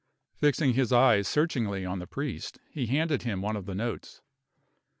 Fixing his eyes searchingly on the priest, he handed him one of the notes.